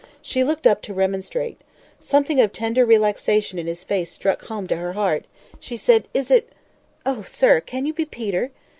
She looked up to remonstrate. Something of tender relaxation in his face struck home to her heart. She said, "It is—oh, sir! can you be Peter?"